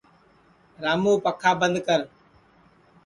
رامُوں پکھا بند کر